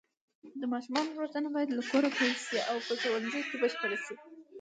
د ماشومانو روزنه باید له کوره پیل شي او په ښوونځي کې بشپړه شي.